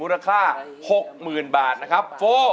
มูลค่า๖๐๐๐๐บาทนะครับ